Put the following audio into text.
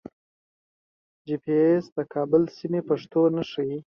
جي پي ایس د کابل سیمې په پښتو نه ښیي.